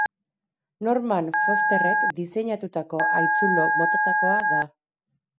Norman Fosterrek diseinatutako haitzulo motatakoa da.